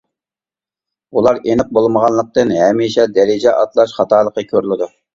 بۇلار ئېنىق بولمىغانلىقتىن ھەمىشە دەرىجە ئاتلاش خاتالىقى كۆرۈلىدۇ.